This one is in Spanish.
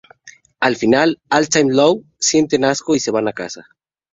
Al final, All Time Low sienten asco y se van a casa.